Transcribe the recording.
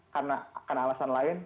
karena alasan lain